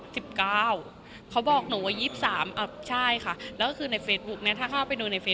สิบเก้าเขาบอกหนูว่ายีบสามเอ้าใช่ค่ะแล้วคือในนะถ้าเขาก็ไปดูใน